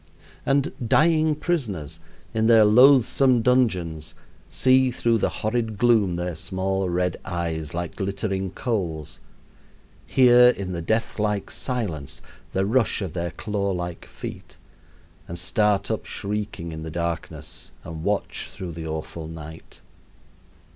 And dying prisoners, in their loathsome dungeons, see through the horrid gloom their small red eyes, like glittering coals, hear in the death like silence the rush of their claw like feet, and start up shrieking in the darkness and watch through the awful night.